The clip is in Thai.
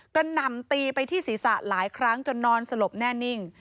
หน่ำตีไปที่ศีรษะหลายครั้งจนนอนสลบแน่นิ่ง